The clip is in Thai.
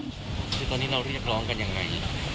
คือตอนนี้เราที่จะพร้อมกันยังไง